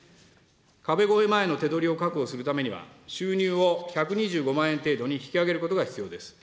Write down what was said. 壁越え前の手取りを確保するためには、収入を１２５万円程度に引き上げることが必要です。